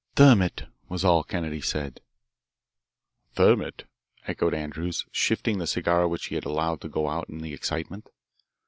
"Thermit," was all Kennedy said. "Thermit?" echoed Andrews, shifting the cigar which he had allowed to go out in the excitement.